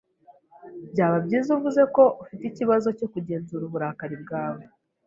Byaba byiza uvuze ko ufite ikibazo cyo kugenzura uburakari bwawe?